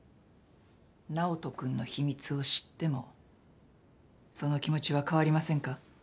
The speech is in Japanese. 直人君の秘密を知ってもその気持ちは変わりませんか？